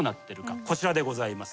こちらでございます。